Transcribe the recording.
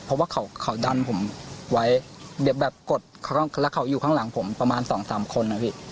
เพราะว่าเขาดันผมไว้เดี๋ยวแบบกดแล้วเขาอยู่ข้างหลังผมประมาณสองสามคนนะพี่